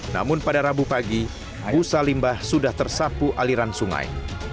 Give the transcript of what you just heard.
namun pada rabu pagi busa limbah sudah tersapu aliran sungai